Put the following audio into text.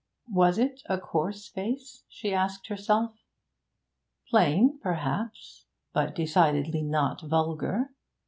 Was it a coarse face? she asked herself. Plain, perhaps, but decidedly not vulgar.